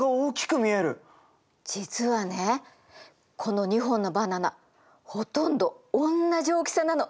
実はねこの２本のバナナほとんどおんなじ大きさなの。